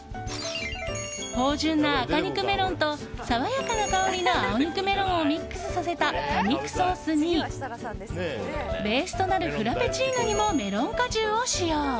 芳醇な赤肉メロンと爽やかな香りの青肉メロンをミックスさせた果肉ソースにベースとなるフラペチーノにもメロン果汁を使用。